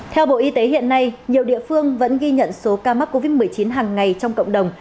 theo bộ y tế hiện nay nhiều địa phương vẫn ghi nhận số ca mắc covid một mươi chín hàng ngày trong cộng đồng